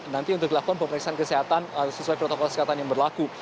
nanti untuk dilakukan pemeriksaan kesehatan sesuai protokol kesehatan yang berlaku